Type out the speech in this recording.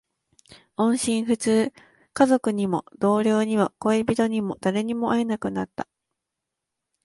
音信不通。家族にも、同僚にも、恋人にも、誰にも会えなくなった。